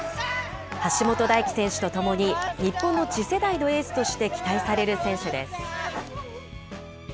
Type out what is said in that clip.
橋本大輝選手と共に、日本の次世代のエースとして期待される選手です。